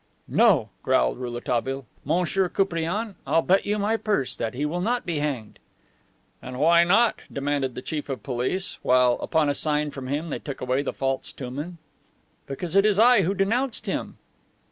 "No," growled Rouletabille. "Monsieur Koupriane, I'll bet you my purse that he will not be hanged." "And why not?" demanded the Chief of rolice, while, upon a sign from him, they took away the false Touman. "Because it is I who denounced him."